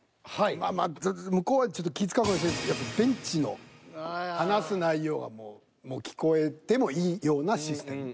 まあまあ向こうはちょっと気遣うかもしれんけどベンチの話す内容が聞こえてもいいようなシステム。